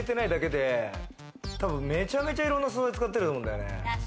めちゃめちゃいろんな素材使ってると思うんだよね。